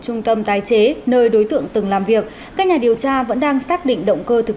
trung tâm tái chế nơi đối tượng từng làm việc các nhà điều tra vẫn đang xác định động cơ thực